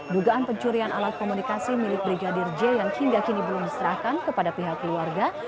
dugaan pencurian alat komunikasi milik brigadir j yang hingga kini belum diserahkan kepada pihak keluarga